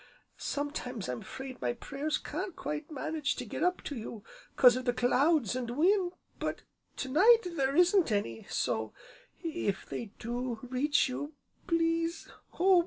Sometimes I'm 'fraid my prayers can't quite manage to get up to you 'cause of the clouds, an' wind, but to night there isn't any, so, if they do reach you, please Oh!